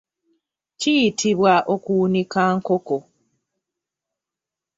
Kiyitibwa okuwunika nkoko.